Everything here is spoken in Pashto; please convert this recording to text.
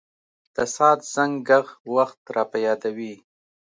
د ساعت زنګ ږغ وخت را په یادوي.